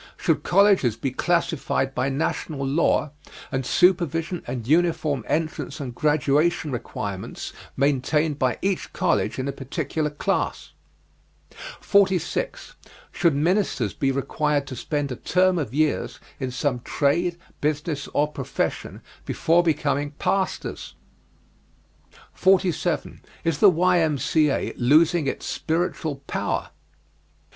Should colleges be classified by national law and supervision, and uniform entrance and graduation requirements maintained by each college in a particular class? 46. Should ministers be required to spend a term of years in some trade, business, or profession, before becoming pastors? 47. Is the Y.M.C.A. losing its spiritual power?